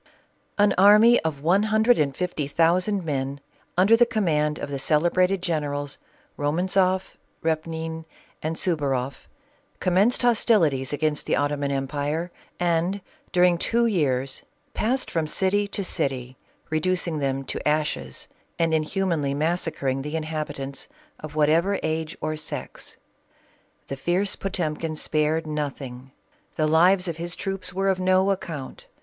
An army of one hundred and fifty thousand men, un der the command of the celebrated generals, Romantzoff, Repnin, and Suvaroff, commenced hostilities against the Ottoman empire and, during two years, passed from city to city, reducing them to ashes and inhumanly massa cring the inhabitants, of whatever age or sex. The fierce Potemkin spared nothing. The lives of his troops were of no account.